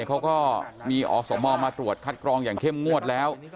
เขาก็มีอสมมาตรวจคัดกรองอย่างเข้มงวดแล้ว